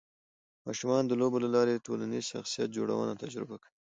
ماشومان د لوبو له لارې د ټولنیز شخصیت جوړونه تجربه کوي.